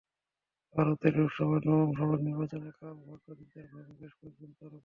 ভারতের লোকসভার নবম দফার নির্বাচনে কাল ভাগ্য নির্ধারণ হবে বেশ কয়েকজন তারকার।